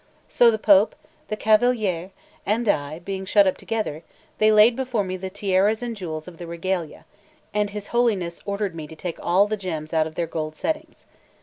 So the Pope, the Cavaliere, and I, being shut up together, they laid before me the tiaras and jewels of the regalia; and his Holiness ordered me to take all the gems out of their gold settings.